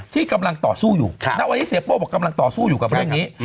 ที่กำลังต่อสู้อยู่ณวันนี้เสียโป้บอกกำลังต่อสู้อยู่กับเรื่องนี้